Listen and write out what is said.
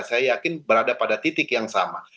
saya yakin berada pada titik yang sama